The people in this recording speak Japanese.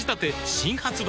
新発売